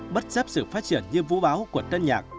bất chấp sự phát triển như vũ báo của tân nhạc